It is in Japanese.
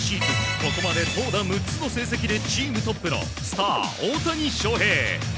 ここまで投打６つの成績でチームトップのスター、大谷翔平。